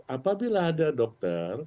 apabila ada dokter